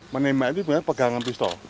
menembak itu pegangan pistol